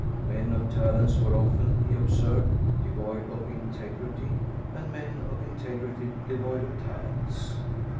Men of talents were often, he observed, devoid of integrity, and men of integrity devoid of talents.